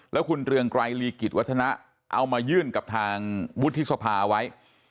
แล้วคุณเรืองไกรลีกิจวัฒนะเอามายื่นกับทางวุฒิสภาไว้